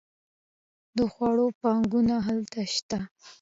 د خوړو بانکونه هلته شته.